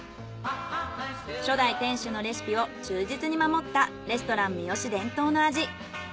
初代店主のレシピを忠実に守ったレストランミヨシ伝統の味。